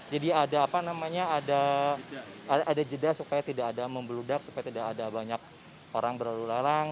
jadi ada apa namanya ada jeda supaya tidak ada membeludak supaya tidak ada banyak orang berlalu larang